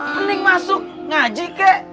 mending masuk ngaji kek